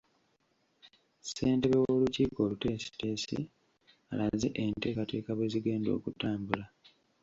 Ssentebe w’olukiiko oluteesitesi alaze enteekateeka bwe zigenda okutambula.